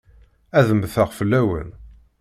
Ad mmteɣ fell-awen.